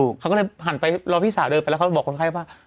เขาก็เลยหันไปรอพี่สาวเดินไปแล้วเขาบอกคนไข้ว่า